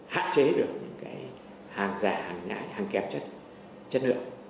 hạn chế được hàng kém chất lượng